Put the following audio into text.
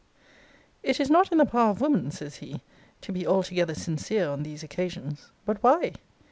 ] It is not in the power of woman, says he, to be altogether sincere on these occasions. But why?